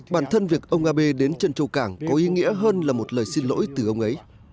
bản thân việc ông abe đến trần châu cảng có ý nghĩa hơn là một lời xin lỗi từ ông ấy